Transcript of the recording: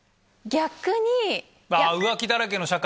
逆に。